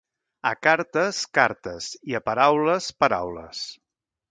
A cartes, cartes, i a paraules, paraules.